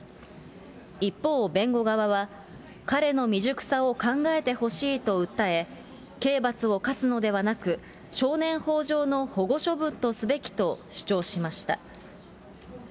一方、弁護側は、彼の未熟さを考えてほしいと訴え、刑罰を科すのではなく、少年法上の保護処分とすべきと主張しました。